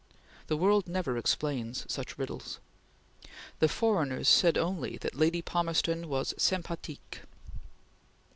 The world never explains such riddles. The foreigners said only that Lady Palmerston was "sympathique."